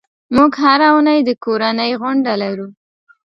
موږ هره اونۍ د کورنۍ غونډه لرو.